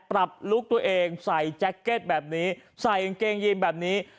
ปรับลุคตัวเองใส่จั๊กเก็ตแบบนี้ใส่กางเกงยิมแบบนี้